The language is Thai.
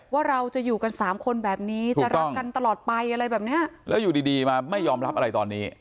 ว่าเราจะอยู่กันสามคนแบบนี้จะรักกันตลอดไปอะไรแบบเนี้ยแล้วอยู่ดีดีมาไม่ยอมรับอะไรตอนนี้